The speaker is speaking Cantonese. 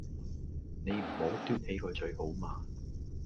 你唔好嘟起個嘴好嗎?